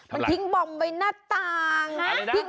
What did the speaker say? มันทิ้งบอมใบหน้าต่าง